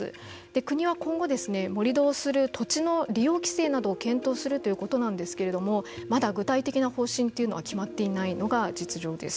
国は、今後盛り土をする土地の利用規制などを検討するということなんですけれどもまだ具体的な方針というのは決めていないのが実情です。